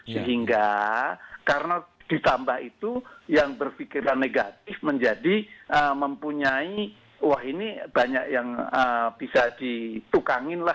sehingga karena ditambah itu yang berpikiran negatif menjadi mempunyai wah ini banyak yang bisa ditukangin lah